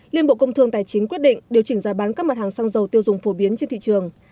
liên bộ công thương tài chính quyết định điều chỉnh giá bán các mặt hàng xăng dầu tiêu dùng phổ biến trên thị trường